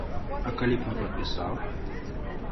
А калі б не падпісаў?